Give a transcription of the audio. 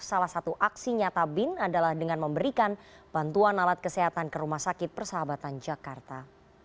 salah satu aksi nyata bin adalah dengan memberikan bantuan alat kesehatan ke rumah sakit persahabatan jakarta